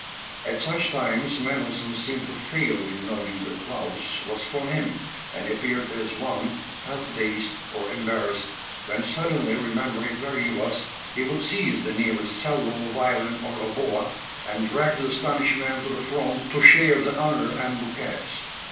At such times Mendelssohn seemed to fail in knowing the applause was for him, and appeared as one half dazed or embarrassed, when suddenly remembering where he was, he would seize the nearest 'cello, violin or oboe, and drag the astonished man to the front to share the honors and bouquets.